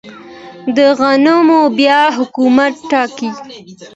د غنمو بیه حکومت ټاکي؟